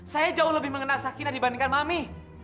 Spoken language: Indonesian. saya jauh lebih mengenal sakina dibandingkan mami